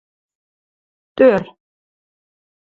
— Тӧр.